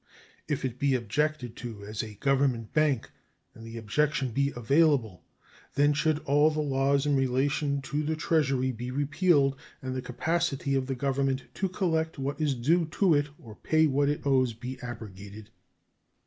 If it be objected to as a Government bank and the objection be available, then should all the laws in relation to the Treasury be repealed and the capacity of the Government to collect what is due to it or pay what it owes be abrogated.